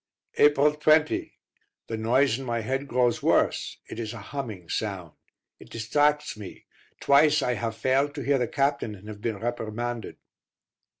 April 20. The noise in my head grows worse; it is a humming sound. It distracts me; twice I have failed to hear the captain and have been reprimanded.